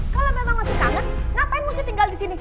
kalau memang masih kangen ngapain mesti tinggal di sini